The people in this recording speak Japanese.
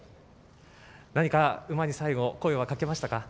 何か馬に最後、声はかけましたか？